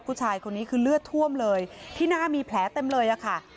ผู้ชายคนนี้คือเลือดท่วมเลยที่หน้ามีแผลเต็มเลยอะค่ะ